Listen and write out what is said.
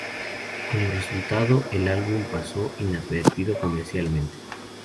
Como resultado, el álbum pasó inadvertido comercialmente.